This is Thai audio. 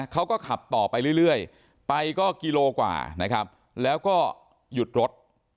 เขาก็ขับต่อไปเรื่อยไปก็กิโลกว่านะครับแล้วก็หยุดรถ